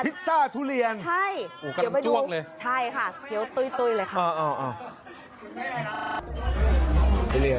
พิซซ่าทุเรียนโอ้โฮกำจวกเลยใช่ค่ะเดี๋ยวไปดูใช่ค่ะ